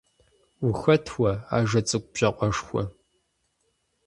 Ухэт уэ, ажэ цӀыкӀу бжьакъуэшхуэ?